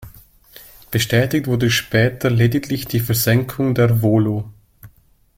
Bestätigt wurde später lediglich die Versenkung der "Volo".